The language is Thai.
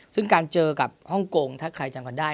ซึ่งการเจอกับฮ่องกงถ้าใครจำกันได้